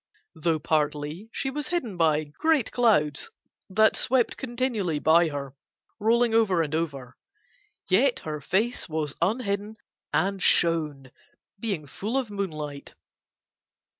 Though partly she was hidden by great clouds that swept continually by her, rolling over and over, yet her face was unhidden and shone, being full of moonlight.